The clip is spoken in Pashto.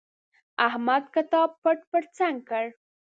احمد کتاب پټ پر څنګ کړ.